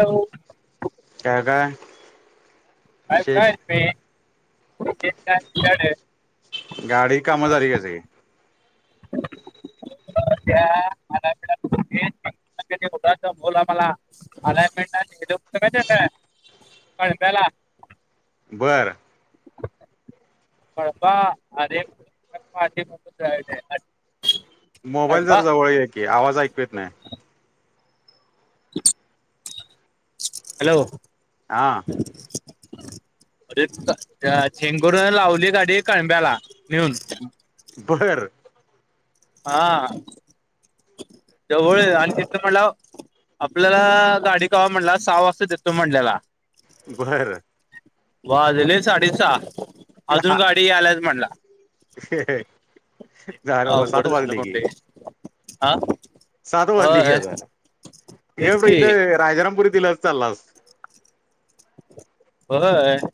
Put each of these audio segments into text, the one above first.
हो [unintelligible] काय? काय? अ विशेष [unintelligible] गाडी काम काम झाली का? सगळी ठ बल आम्हाला मरा [unintelligible] दत कच आहे काय [unintelligible] कळंब्याला. बरं. पपा अरे [unintelligible] मोबाईल जरा जवळ घ्या की आवाज ऐकत नाही. हॅलो. हा. [inaudible] अरे त्या चेगुरून लावली गाडी कळब्याला नेऊन. बरं हा जवळ आणि तिथं मला आपल्याला गाडी कवा म्हणला सहा वाजता देतो म्हणल्याला. बरं.. वाजले साडे सहा अजून गाडी यालाच म्हणला. झालं बाबा सात वाजले की आ. सात वाजले की आता तेच गप की इथं राजारामपुरी दिल असत चाललास. होय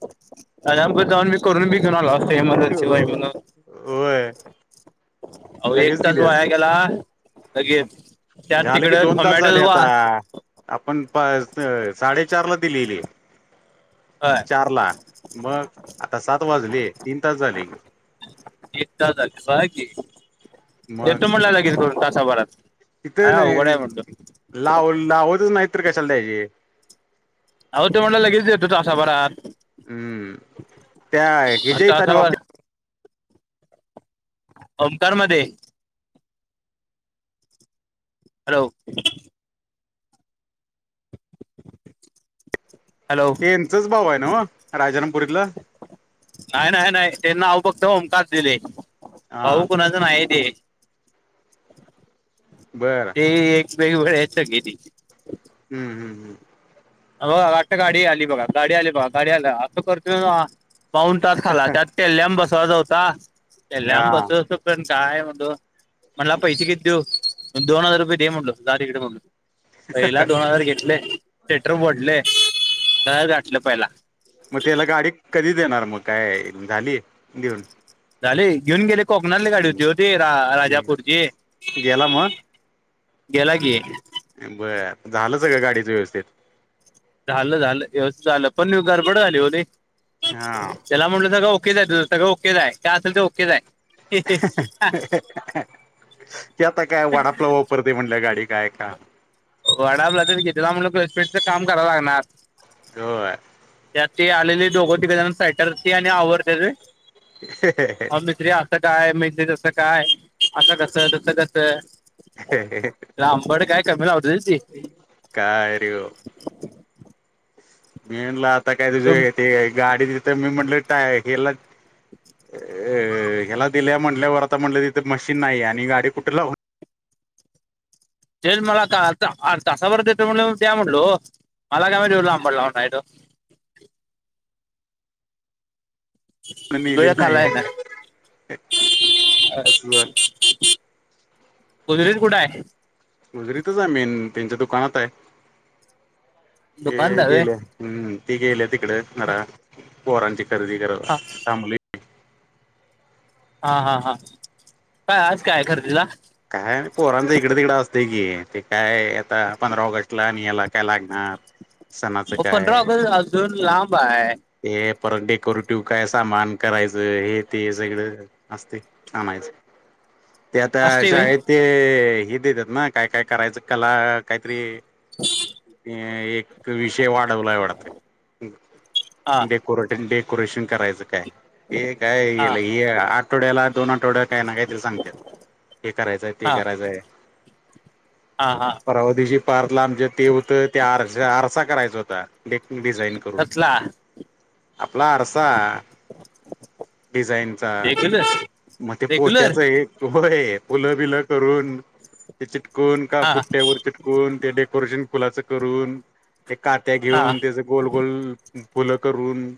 राजारामपुरीत जाऊन मी- करून मी घेऊन आलो असतो ऐमर्जन्सी व्हय म्हणून. होय अरे एक लगेच तास दिली वाया असती गेला लगेच. त्यात झालं की तिकडे दोन तास झाले [unintelligible] वा. आता आपण पाहे च साडेचार ला दिलेली आहे. होय चार ला मग आता सात वाजले तीन तास झाले. तीन तास झालेस होय की देतो म्हणला लगेच करून तासा भरात. तिथं नाही लाव लावतच नाहीत तर कशाला द्यायचे. अहो तो म्हणला लगेच देतो तासा भरात. हम्म त्या हिजे इतना तासाभर ओफी ओंकार मध्ये. हॅलो. हॅलो ते यांचाच भाऊ आहे ना हो राजरामपुरीतला? नाही नाही नाही ते नाव फक्त ओमकार दिलंय हा भाऊ कुणा चा नाहीये ते. बरं ते एक बेळी वळ आहे सगळी ती. हम्म हम्म हम्म. अ बा आता गाडी आली बघा गाडी आली बघा गाडी आल्या असं करतोय पाऊन तास खाला त्यात तेल्याम बसवायचा होता तेल्याम हा बसवतो पण काय. [unintelligible] म्हणला पैसे किती देऊ दोन हजार रुपये दे म्हणटलो जा तिकडे म्हणलो. पहिला दोन हजार घेतले सेटर बोर्डले, घर गाठलं पहिला. मगत्याला गाडी कधी देणार मग काय झाली देऊन? झाले घेऊन गेले कोकणातली गाडी होती हम्म ती रा राजापूरची. गेला मग गेला की. बरं झालं सगळं गाडीचं व्यवस्थित. झालं झालं व्यवस्थित झालं पण गरबड झाली ओ लय. हा त्याला म्हटलं सगंळं ओकेच आहे तुझं सगळ ओकेच आहे काय असलं तर ओकेच आहे. ते आता काय वाडापलाव परती म्हणलं गाडी काय का वडा [unintelligible] घेतेल म्हणला क्लच पेडचा काम कराव लागणार होय. त्यात ते आलेले दोघं-तिघ जण स्वेटरते आणि आवरतेत रे. [unintelligible] हाव मेस्त्री असं काय मेस्त्री तसं काय असं कसं तसं कसं [unintelligible] लांबड काय कमी लावती होती ती. काय रे ओ मी म्हणलं आ ता काय तुझे ते गाडी तिथं मी म्हंटलं टाय गेलात अ ह्याला दिल्या म्हणल्यावर आता म्हटलं तिथे मशीन नाहीये आणि गाडी कुठे लावू तेच मला कळालता आन तासावर देतो म्हणल्यावर द्या म्हणलो मला काय माहित एवढं लांबन लावणं आहे त्यो. वेळ नेलेली नाही खाल्लंय ना आ असं गुजरीेत कुठं आहे? गुजरीतच आहे मेन त्यांच्या दुकानात आहे ये दुकानदार व्हय गेल्या. हम्म ती गेल्या तिकड जरा पोरांची खरेदी करांला हा थांब हा हा हा काय आज काय आहे खरदीला? काय पोरांचं इकडं तिकडं असतय की, ते काय आता पंधरा ऑगस्ट ला आनि हला काय लागणार, सणाचं ओ पंधरा काय ऑगस्ट अजून लांब हाय ते परत डेकोरेटिव काय सामान करायचं, हे ते सगळं असतय आणायचं, ते आता असते व्हय शाळेत ते हे देतेत ना, काय काय करायचं कला, काहीतरी ह [inaudible] अं एक विषय वाढवलाय वाटतं हा डेकोरेटन डेकोरेशन करायचं काय. हे हा काय आठवड्याला दोन आठवड्या काय ना काय तरी सांगत्यात. हे करायचंय ते हा करायचंय. हा हा. पर्वा दिवशी पार्थला आमच्या ते हूतं, त्या आर आरसा करायचा हूता. डे डिझाईन करून. कसला आपला आरसा, डिझाईनचा. बोल [unintelligible] मग ते पोत्याच एक, होय, फुल बिलं करून ते चिटकून का हा पुठा वर चिकटवून, ते डेकोरेशन फुलाच करून, ते कात्या हा घेऊन तेजं गोल गोल फुलं करून,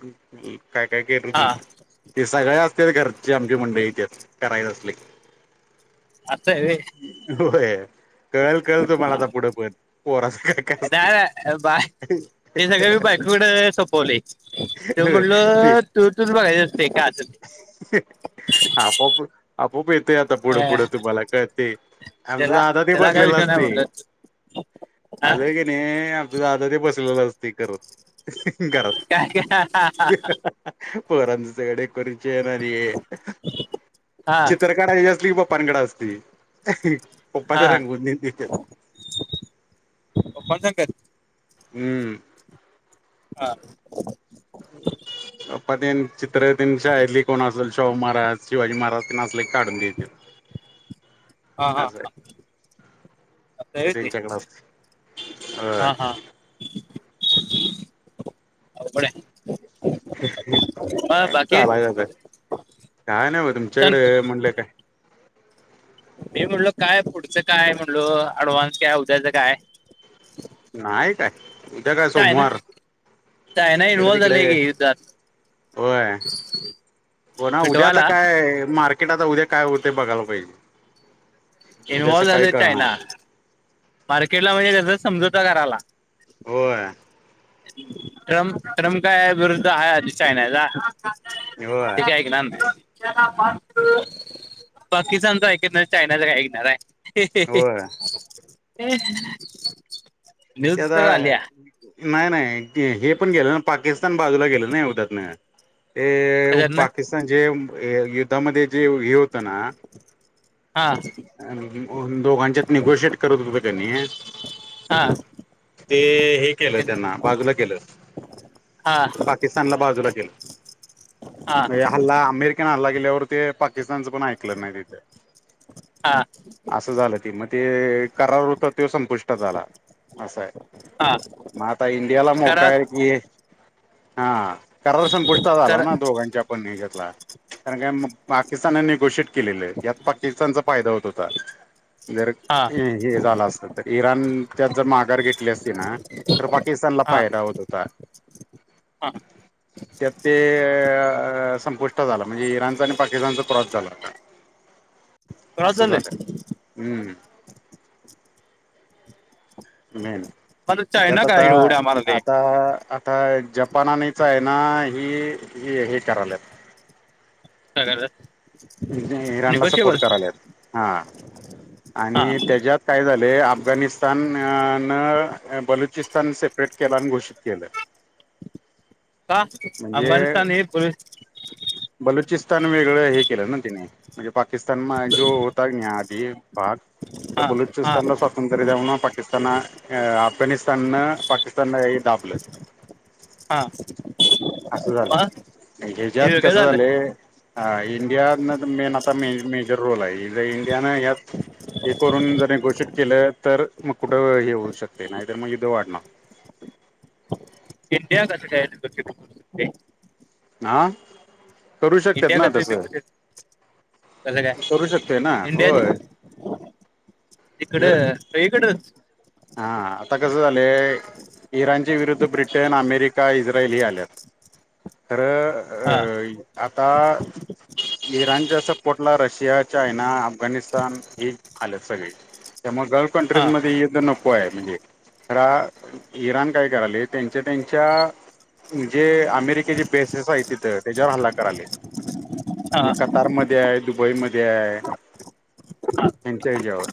काय काय करत हा हूती. ते सगळ्या असत्यात, घरची आमची मंडळी त्यात, करायचं असलं की. असंय व्हय. होय, कळल कळल तुम्हाला आता पुढं पण, पोरा दादा बाय ते सगळं मी बायकुकडं सोपवलर ते म्हणलो तूझ तूच बघायचं असतय, कांय असलं ते. आपोआप अूपआप येतय आता ते पुढं अ पुढं तुम्हाला कळतय, आमचं दादा ते बसलेला असतय. हां. नाही, आमचा दादा ते बसलेला असतय करत,, घरात काय काय हा पोरांचं सगळं डेकोरेशन आणि हे, हा चित्रं काढायची असली कि पपांकडं असतय. हां, [unintelligible] हम्म. हां. ह [inaudible] पप्पा तेन चित्रं तन शाळेतली कोण असल, शाहू महाराज शिवाजी महाराज तेन असलं, काढून देत्यात. हं [inaudible] हा हा, असं आहे असाय वय ते, त्यांच्याकडे असतय होय हा हा. अवघड हाय. काय चालायच आता, काय नाही म सांग तुमच्याकडं म्हणलं काय मी म्हनलो काय, पुढचं काय म्हणलो, अँडव्हान्स काय उद्याचं काय नाय काय, उद्या काय चायना सोमवार. चायना इकडे इनवॉल झालेय तिकडे की युद्धात. होय, हो ना उद्या आता मिटवायला काय मार्के क्रेट आता उद्या काय होतय बघायला पायजे, उद्या सकाळी कळणार. मार्केट ला म्हणजे कसं समजवता करायला. होय. ट्रम्प ट्रम्प काय विरुद्ध हाय आधी चायनाचा. होय ते काही ऐकणार नाही. पाकिस्तानच ऐकत नाही चायनाच काय ऐकणार आहे. होय. ते न्यूज तर आता आल्या. नाही नाही हे पण गेलं पाकिस्तान बाजूला गेलं ना युद्धातन. ते कशातनं पाकिस्तान जे युद्धामध्ये जे हे होत ना. हां. दोघांच्यात निगोशिएट करत होतं कणी. हा ते हे केलं त्यांन बाजूला केलं. हां. त्यानंला बाजूला केलं हा म्हणजे हल्ला अमेरि हल्ला केल्यावर ते पाकिस्तानचं पण ऐकलं नाही तिथे. हा. असं झालं ते मग ते करार होता त्यो संपुष्टात आला असंय. हा मग आता इंडियाला मोका करा आहे कि हा. करार संपुष्टात आला करा ना दोघांच्या पण हेज्यातला कारण काय पाकिस्तानानी घोषित केलेलं यात पाकिस्तानचा फायदा होत होता. जर हा हे झालं असत तर इराण त्यात जर माघार घेतली असती ना. तर पाकिस्तानला फायदा होत होता. ह [inaudible] हा. त्यात ते संपुष्ट झालं म्हणजे इराणचं आणि पाकिस्तानचा क्रॉस झाल आता. करा असं झालं चाललंय हम्म. मेन मला चायना त्यात आता काय उड्या मारले आता आ.. आता जपान आणि चायना हे हे हे कराल्यात. काय करल्यात? इराणला सपोर्ट कराल्यात हां हा आणि त्याज्यात. काय झाले अफगाणिस्तान न बलुचिस्तान सेपरेट केला आणि घोषित केलं. का? म्हणजे अफगानिस्तान हे बुल बलुचिस्तान वेगळं हे केलं ना तिने. म्हणजे पाकिस्तान म जो होता नि आधी भाग. तर हा हा बलुचिस्तानला स्वातंत्र्य द्या म्हणून पाकिस्तान.. अफगाणिस्तान न पाकिस्तानला हे दाबले. हं [unintelligible] असं झालं ह्या ज्यात. हे वेगळं कसं झालं झालायं अ इंडिया नन. मेन आता मेजर रोल आहे इंडियानं हयात. हे करून जर घोषित केलं तर मग कुठं हे होऊ शकते. नाही तर मग युद्ध वाढणार. इंडिया कंस काय? [unintelligible] हा. करू शकतेत इंडिया ना कसं तसं डेप्युटेड कसं काय करू शकते ना होय. जर इकडं सगळी कडच हा आता कसं झालं. इराणच्या विरुद्ध ब्रिटेन, अमेरिका, इस्रायल, हे आल्यात,, हा खरं आता, इराणच्या सपोर्टला रशिया, चायना, अफगाणिस्तान, ही आल्यात सगळी, त्यामुळं गल्फकंन्ट्रीच हा मध्ये युद्ध नको होय म्हणजे, खरा, इराण काय कराले त्यांच्या त्यांच्या जे अमेरिकेचे बेसेस हायत तिथं, त्याच्यावर हल्ला करालेय. हा एक कतार मध्ये आहे, दुबई मध्ये आहे, ह्यांच्या हच्यावर.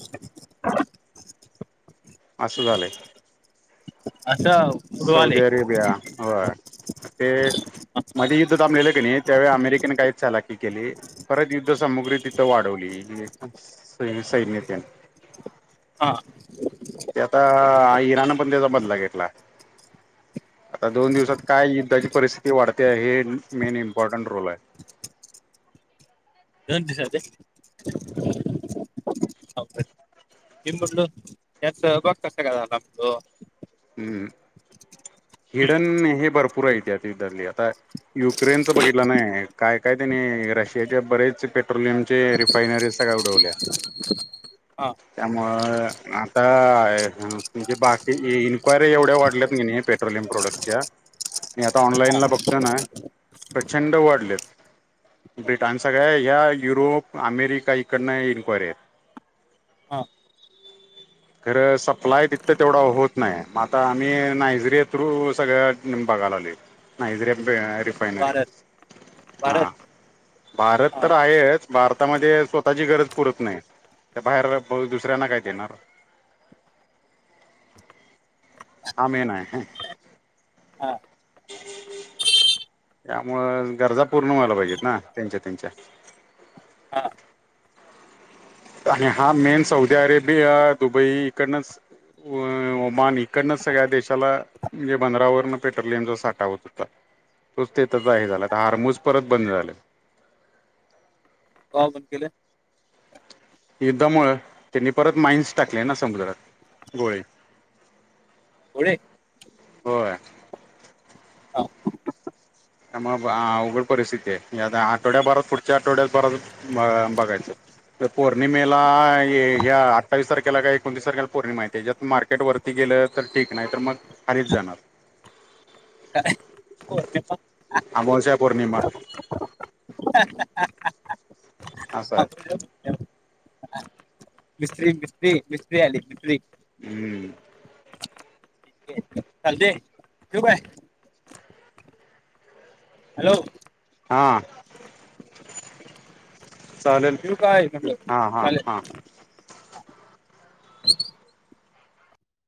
असं झालंय. असं उडवाले सौदी अरेबिया, होय, हे मधी युद्ध थाबलेलं क नाही, त्यावेळी अमेरिकेनं काय चालाखी केली, परत युद्ध सामुग्री तिथं वाढवली, सैन्यात त्या. हां हां. ते आता इराण पण त्याचा बदला घेतलाय. आता दोन दिवसात काय युद्धाची परिस्थिती वाढत्या, हे मेन इम्पॉर्टंट रोल हाय. दोन दिवसांत हो ईऊन बसलो,, यात सहभाग कसा काय झाला म्हणालो? हम्म,, हिडन हे भरपूर आहे तिधली आता युक्रेनचं बघितलं नाही, काय काय त्यानी रशियाच्या बरेच पेट्रोलियम चे फयनारीज सगळ्या उडवल्या हा. त्यामुऴं आता, म्हणजे बाकीची इनक्वायरी एवढ्या वाढल्यात क नाही, पेट्रोलियम प्रोडक्ट च्या, मी आता ऑनलाईन ला बघतो ना, प्रचंड वाढल्यात. ब्रिटान, सगळं ह्या युरोप, अमेरिका इकडन इन्क्वायरी आहेत. हा खरं सप्लाय तिथं तेवढा होत नाहीय, मग आता आम्ही नायजेरिया थ्रू सगळ्या बघायला लागलोय. नायजेरिया रिफानरी भारत हां. भारत भारत हा तर आहेच, भारतामध्ये स्वतःची गरज स्वतः ता पुरत नाही. त्या बाहेर रफु दुसऱ्यांना काय देणार. हा मेन हाय, ह हा हम्म हम्म. त्यामुळं गरजा पूर्ण व्हायला पाहिजेत ना, त्यांच्या त्यांच्या. हा आणि हा मेन सौदी अरेबिय, दुबई, इकडनंच ओमान, इकडनंच सगळ्या देशाला म्हणजे बंदरावरन पेट्रोलियमचा साठा होत होता. तोच तिथं चा हे झाला, आता हार्मूज परत बंद झालं. का ओ बंद केलं? युद्धामुंळं,, त्यांनी परत माइन्स टाकले ना समुद्रात गोळे. पुढे होय. त्यामुळं अवघड परिस्थिती हाय, ह्या आठवड्या भरात, पुढच्या आठवड्यात भरात मऽ बघायचं पौर्णिमेला हे,, ह्या आठ्ठावीस तारखेला काय एकोणतीस तारखेला पौर्णिमा हाय, त्याज्यात मार्केटवर ती गेलं तर ठीक, नाही तर मग खालीच जाणार. आमोश्या पौर्णिमा. ह हा‌ असंय. मिस्त्री मिस्त्री मिस्त्री आली मिस्त्री. हम्म. चालतय, ठेवू काय? हॅलो हां. चालेल ठेवू काय हां हां हां म्हटलं?